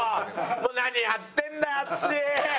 もう何やってんだよ淳！